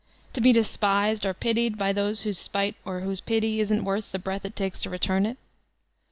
To be despised, or pitied, by those whose spite or whose pity isn't worth the breath it takes to return it.